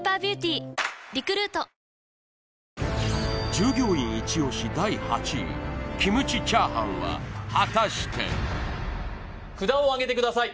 従業員イチ押し第８位キムチ炒飯は果たして札をあげてください